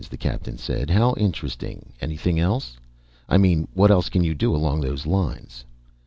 the Captain said. "How interesting. Anything else? I mean, what else can you do along those lines?"